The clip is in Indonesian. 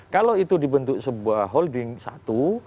kalau itu dibentuk sebuah holding satu